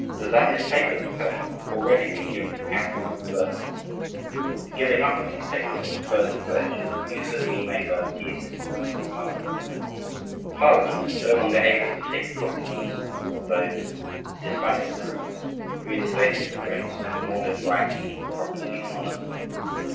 Lasagne's papers had already been given to Catherine, who burned them. The giving up of these papers was a first pledge, uselessly made by the Guises to the queen mother. The Parliament, no longer able to take cognizance of those decisive proofs, reinstated the prince in all his rights, property, and honors.